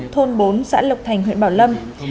thôn bốn xã lộc thành huyện bảo lâm